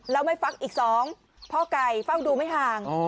แล้วไม่ฟักอีก๒พ่อไก่เฝ้าดูไม่ห่าง